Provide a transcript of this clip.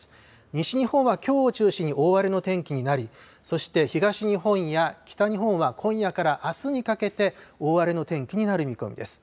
西日本はきょうを中心に大荒れの天気になり、そして東日本や北日本は今夜からあすにかけて、大荒れの天気になる見込みです。